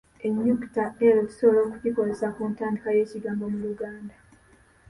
Ennyukuta l tusobola okugikozesa ku ntandikwa y’ekigambo mu Luganda.